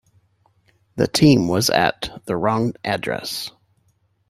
The team was at the wrong address.